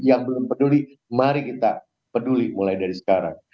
yang belum peduli mari kita peduli mulai dari sekarang